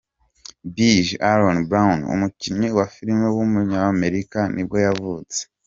Billy Aaron Brown, umukinnyi wa film w’umunyamerika nibwo yavutse.